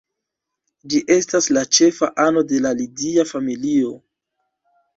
Ĝi estas la ĉefa ano de la Lidia familio.